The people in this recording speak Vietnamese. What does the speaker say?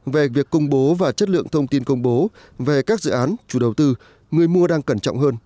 về việc công bố và chất lượng thông tin công bố về các dự án chủ đầu tư người mua đang cẩn trọng hơn